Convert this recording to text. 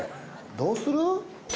どうする？